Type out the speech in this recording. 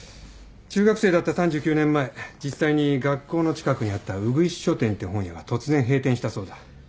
中学生だった３９年前実際に学校の近くにあったウグイス書店って本屋が突然閉店したそうだ。